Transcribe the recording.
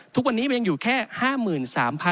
ทุกวันนี้มันยังอยู่แค่๕๓๑๕๖คนนะฮะ